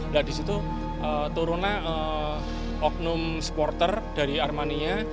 dan disitu turunlah oknum supporter dari aremania